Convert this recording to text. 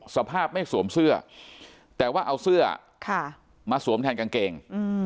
สภาพไม่สวมเสื้อแต่ว่าเอาเสื้อมาสวมแทนกางเกง